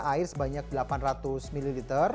air sebanyak delapan ratus ml